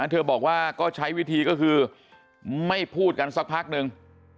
เธอบอกว่าก็ใช้วิธีก็คือไม่พูดกันสักพักนึง